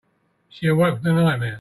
She awoke from the nightmare.